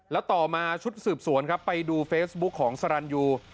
แล้วต่อมาชุดสืบสวนครับไปดูเฟซบุ๊คของสรรยู